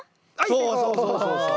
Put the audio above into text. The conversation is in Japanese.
そうそうそうそうそう。